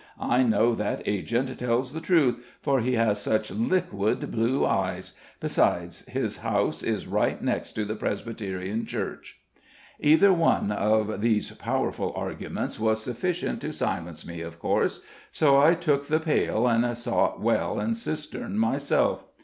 I know that agent tells the truth, for he has such liquid blue eyes; besides, his house is right next to the Presbyterian Church." Either one of these powerful arguments was sufficient to silence me, of course; so I took the pail, and sought well and cistern myself.